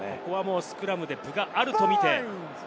スクラムで分があるとみて。